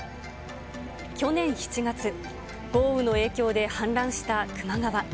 去年７月、豪雨の影響で氾濫した球磨川。